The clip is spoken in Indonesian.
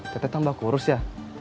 tetep tambah kurus ya